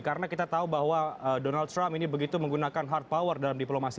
karena kita tahu bahwa donald trump ini begitu menggunakan hard power dalam diplomasi